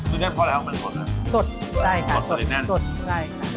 อืมน่าแน่นหรอใช่ตรงนี้พอแล้วมันสดสดใช่ค่ะสดติดแน่นสดใช่ค่ะ